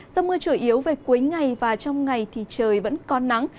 rông mưa chủ yếu về cuối ngày và trong ngày thì trời vẫn con nắng